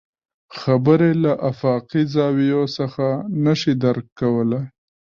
خبرې له افاقي زاويو څخه نه شي درک کولی.